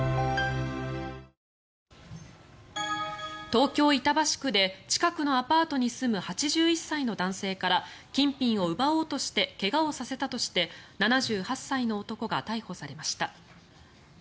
東京・板橋区で近くのアパートに住む８１歳の男性から金品を奪おうとして怪我をさせたとして７８歳の男が逮捕されました。